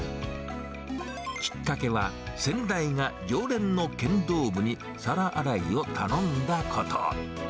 きっかけは、先代が常連の剣道部に皿洗いを頼んだこと。